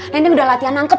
neneng udah latihan nangkep